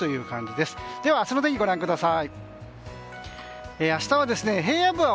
では、明日の天気ご覧ください。